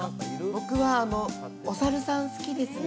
僕はお猿さん好きですね